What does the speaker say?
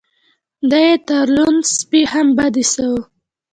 دی يې تر لوند سپي هم بد ايساوه.